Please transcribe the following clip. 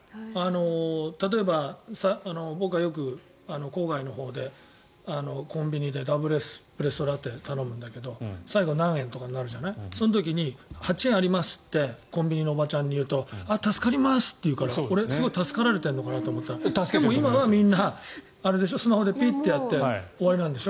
例えば、僕はよく郊外のほうでコンビニでダブルエスプレッソラテを頼むんだけど最後に何円とかなるじゃないそういう時に８円ありますってコンビニのおばちゃんに言うと助かりますって言うから俺、すごい助かられてるのかなと思ったらでも今はみんなスマホでピッてやって終わりなんでしょ。